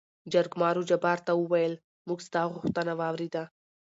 جرګمارو جبار ته ووېل: موږ ستا غوښتنه وارېده.